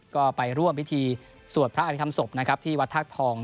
ก็ไปร่วมพิธีสวดพระอภิษฐรรมศพนะครับที่วัดธาตุทอง